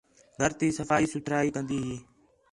گھر تی صفائی سُتھرائی کندی ہی